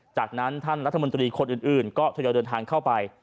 จากนั้นท่านรัฐมนตรีคนอื่นก็ทยอยเดินทางเข้าไป